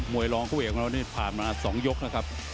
มวยร้องผู้เอกวันนี้ผ่านมา๒ยกนะครับ